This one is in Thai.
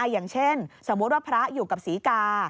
อย่างเช่นสมมุติว่าพระอยู่กับศรีกา